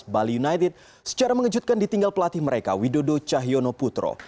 bali united secara mengejutkan ditinggal pelatih mereka widodo cahyono putro